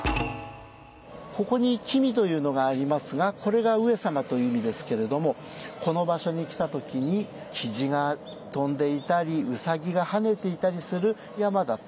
ここに「后」というのがありますがこれが上様という意味ですけれどもこの場所に来た時に雉が飛んでいたり兎が跳ねていたりする山だった。